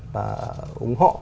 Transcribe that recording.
và ủng hộ